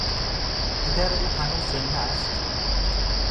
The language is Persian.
پدر او هنوز زنده است؟